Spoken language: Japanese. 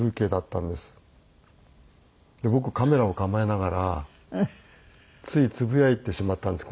で僕カメラを構えながらついつぶやいてしまったんです